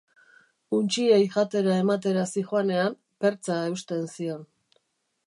Untxiei jatera ematera zihoanean, pertza eusten zion.